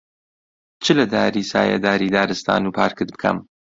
چ لە داری سایەداری دارستان و پارکت بکەم،